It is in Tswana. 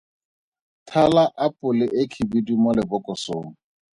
Thala apole e khibidu mo lebokosong.